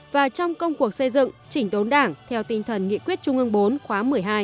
và trong công cuộc xây dựng chỉnh đốn đảng theo tinh thần nghị quyết trung ương bốn khóa một mươi hai